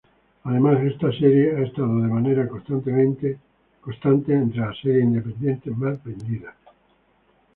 Además esta serie ha estado de manera constante entre las series independientes más vendidas.